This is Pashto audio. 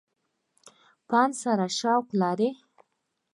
فن سره شوق لري ۔